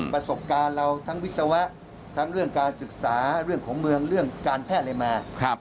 ประสบการณ์เราทั้งวิศวะทั้งเรื่องการศึกษาเรื่องของเมืองเรื่องการแพทย์อะไรมา